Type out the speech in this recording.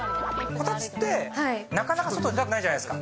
こたつって、なかなか外に出たくないじゃないですか。